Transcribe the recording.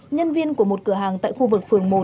nhân viên của một cửa hàng tại khu vực phường một